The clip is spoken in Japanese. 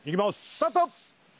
スタート